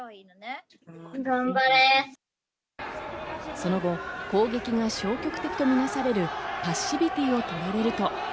その後、攻撃が消極的とみなされるパッシビティを取られると。